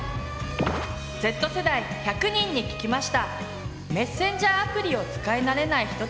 Ｚ世代１００人に聞きました。